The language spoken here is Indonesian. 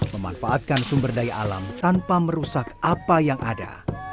memanfaatkan sumber daya alam tanpa merusak apa yang ada